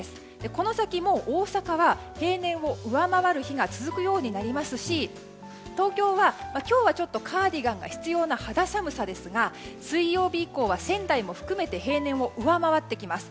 この先も大阪は平年を上回る日が続くようになりますし東京は今日はちょっとカーディガンが必要な肌寒さですが水曜日以降は仙台も含めて平年を上回ってきます。